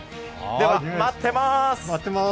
では待ってまーす。